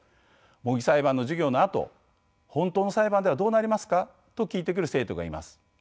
模擬裁判の授業のあと「本当の裁判ではどうなりますか？」と聞いてくる生徒がいます。